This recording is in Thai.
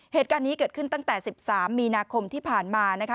เหตุการณ์นี้เกิดขึ้นตั้งแต่๑๓มีนาคมที่ผ่านมานะคะ